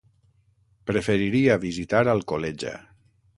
Preferiria visitar Alcoleja.